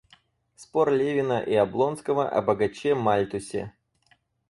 Спор Левина и Облонского о богаче Мальтусе.